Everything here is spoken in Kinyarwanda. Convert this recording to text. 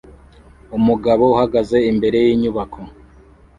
umugabo uhagaze imbere yinyubako